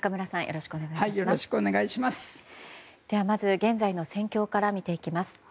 まず現在の戦況から見ていきます。